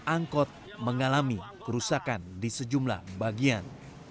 angkot mengalami kerusakan di sejumlah bagian